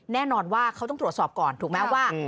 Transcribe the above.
แน่นอนว่าเขาต้องตรวจสอบก่อนถูกไหมว่า